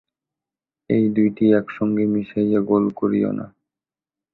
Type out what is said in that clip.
এই দুইটি একসঙ্গে মিশাইয়া গোল করিও না।